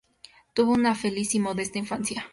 Tuvo una feliz y modesta infancia.